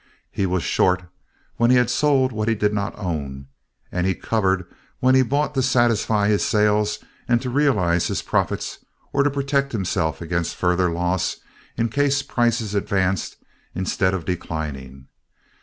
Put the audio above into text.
He was "short" when he had sold what he did not own, and he "covered" when he bought to satisfy his sales and to realize his profits or to protect himself against further loss in case prices advanced instead of declining.